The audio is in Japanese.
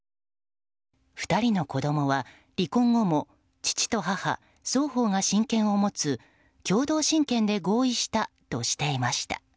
２人の子供は離婚後も父と母双方が親権を持つ共同親権で合意したとしていました。